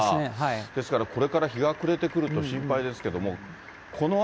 ですから、これから日が暮れてくると心配ですけども。